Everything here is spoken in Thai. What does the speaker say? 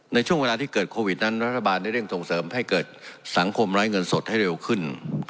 ในช่วงเวลาที่เกิดโควิดนั้นรัฐบาลได้เร่งส่งเสริมให้เกิดสังคมไร้เงินสดให้เร็วขึ้น